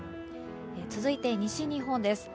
続いて、西日本です。